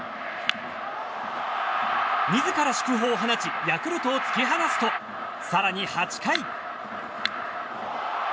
自ら祝砲を放ちヤクルトを突き放すと更に、８回。